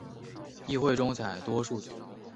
议会中采多数决。